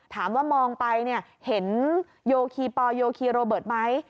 ถามว่ามองไปเห็นโยคีปอลโยคีโรเบิร์ตไหม